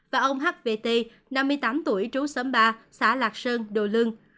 và ông hvt năm mươi tám tuổi trú xóm ba xã lạc sơn đồ lương